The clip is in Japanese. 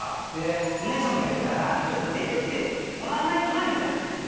お姉さまがいるから出てってもらわないとなみたいな。